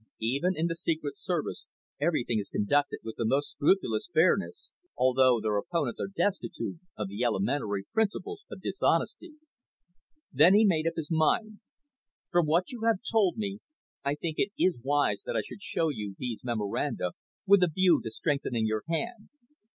Even in the Secret Service everything is conducted with the most scrupulous fairness, although their opponents are destitute of the elementary principles of honesty. Then he made up his mind. "From what you have told me, I think it is wise that I should show you these memoranda, with a view to strengthening your hand.